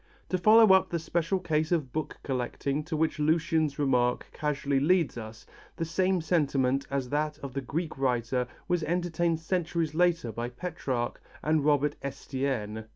To follow up the special case of book collecting to which Lucian's remark casually leads us, the same sentiment as that of the Greek writer was entertained centuries later by Petrarch and Robert Estienne.